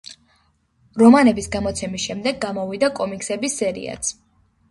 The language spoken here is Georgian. რომანების გამოცემის შემდეგ გამოვიდა კომიქსების სერიაც.